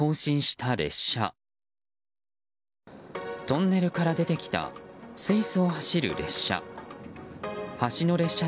トンネルから出てきたスイスを走る列車。